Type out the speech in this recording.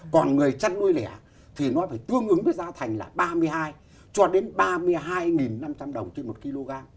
còn người chăn nuôi lẻ thì nó phải tương ứng với giá thành là ba mươi hai cho đến ba mươi hai năm trăm linh đồng trên một kg